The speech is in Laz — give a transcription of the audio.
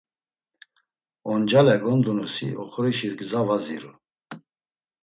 Oncale gondunusi oxorişi gza va ziru.